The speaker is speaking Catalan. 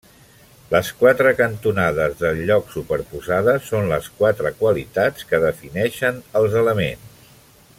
Les quatre cantonades del lloc superposades són les quatre qualitats que defineixen els elements.